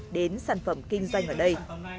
đến sản phẩm kinh doanh ở đây